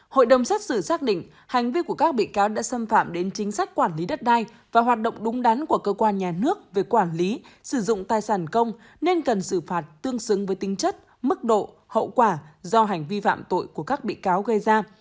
hội đồng xét xử xác định hành vi của các bị cáo đã xâm phạm đến chính sách quản lý đất đai và hoạt động đúng đắn của cơ quan nhà nước về quản lý sử dụng tài sản công nên cần xử phạt tương xứng với tính chất mức độ hậu quả do hành vi phạm tội của các bị cáo gây ra